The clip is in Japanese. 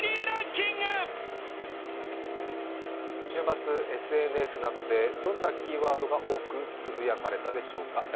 週末、ＳＮＳなどでどんなキーワードが多くつぶやかれたでしょうか。